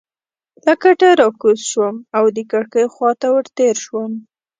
له کټه راکوز شوم او د کړکۍ خوا ته ورتېر شوم.